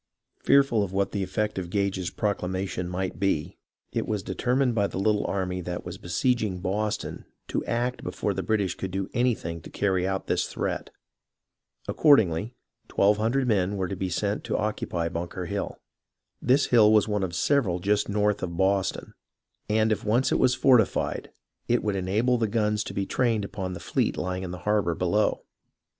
Fearful of what the effect of Gage's proclamation might be, it was determined by the little army that was besieging Boston to act before the British could do anything to carry out this threat. Accordingly, 1200 men were to be sent to BUNKER HILL 63 occupy Bunker Hill.^ This hill was one of several just north of Boston, and if once it was fortified it would enable the guns to be trained upon the fleet lying in the harbour below.